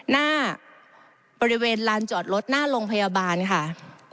หน้าบริเวณลานจอดรถหน้าโรงพยาบาลค่ะ